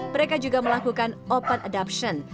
mereka juga melakukan open adoption